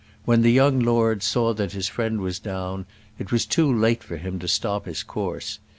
When the young lord saw that his friend was down it was too late for him to stop his course.